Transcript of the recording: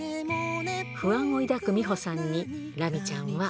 不安を抱く美保さんに、ラミちゃんは。